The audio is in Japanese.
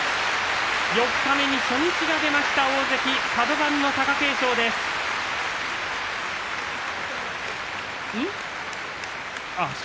四日目に初日が出ました大関カド番の貴景勝です。